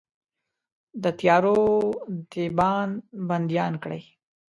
د تیارو دیبان بنديان کړئ